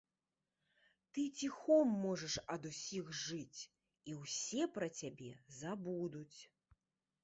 Ты ціхом можаш ад усіх жыць, і ўсе пра цябе забудуць.